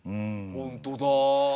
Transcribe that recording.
本当だ。